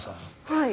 はい。